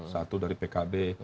satu dari pkb